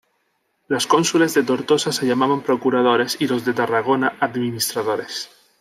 Los cónsules de Tortosa se llamaban procuradores, y los de Tarragona administradores.